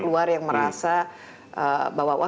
luar yang merasa bahwa